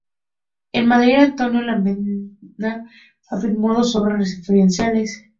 En Madrid, Antonio Lamela firmó dos obras referenciales.